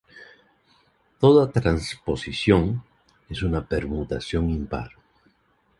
Toda transposición es una permutación impar.